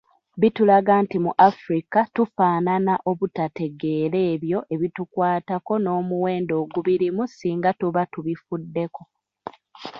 Bitulaga nti mu Africa tufaanana obutategeera ebyo ebitukwatako n’omuwendo ogubirimu singa tuba tubifuddeko.